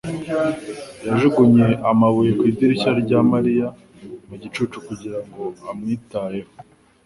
yajugunye amabuye ku idirishya rya Mariya mu gicuku kugira ngo amwitayeho